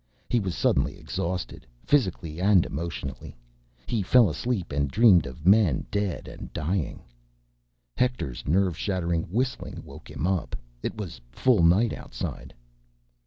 He was suddenly exhausted, physically and emotionally. He fell asleep, and dreamed of men dead and dying. Hector's nerve shattering whistling woke him up. It was full night outside.